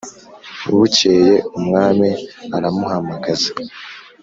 Bukeye umwami aramuhamagaza